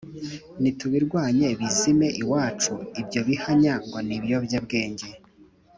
Nitubirwanye bizime iwacu ibyo bihanya ngo ni ibiyobyabwenge.